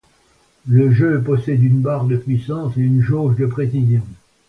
Le jeu possède une barre de puissance et une jauge de précision.